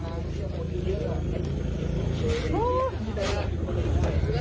รำรวจก็ปิดล้อมไล่มันสวมประหลังไล่อ้อยท้ายหมู่บ้านบ้านโคกสะอาดที่ตำบลทองหลางเอาไว้นะครับ